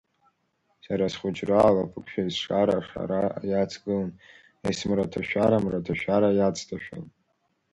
Сара схәыҷра алаԥықәшәа есшара, ашара иацгылон, ес-мраҭашәара, мраҭашәара иацҭашәон.